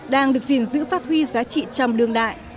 đang được gìn giữ phát huy giá trị trong đương đại